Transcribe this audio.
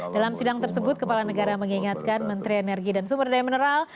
dalam sidang tersebut kepala negara mengingatkan menteri energi dan sumber daya mineral